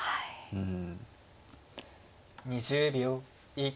うん。